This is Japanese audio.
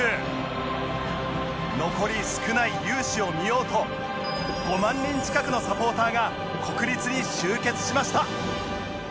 残り少ない勇姿を見ようと５万人近くのサポーターが国立に集結しました